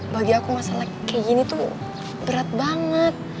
bagi aku masalah kayak gini tuh berat banget